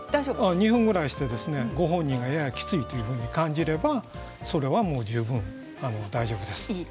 ２分ぐらいしてご本人がややきついと感じればそれは十分大丈夫です。